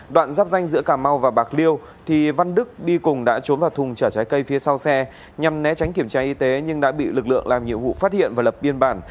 đoạn giáp danh giữa cà mau và bạc liêu thì văn đức đi cùng đã trốn vào thùng trở trái cây phía sau xe nhằm né tránh kiểm tra y tế nhưng đã bị lực lượng làm nhiệm vụ phát hiện và lập biên bản